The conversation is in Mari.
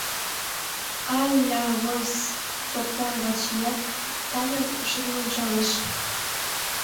— Пль-а-вос — шокта Вачият, Таням шыдын ончалеш.